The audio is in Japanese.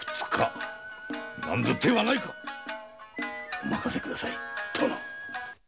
お任せ下さい殿！